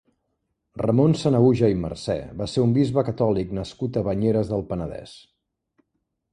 Ramon Sanahuja i Marcé va ser un bisbe catòlic nascut a Banyeres del Penedès.